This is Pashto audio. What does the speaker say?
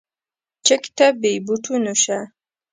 چک ته بې بوټونو شه.